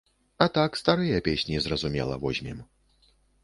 А так старыя песні, зразумела, возьмем.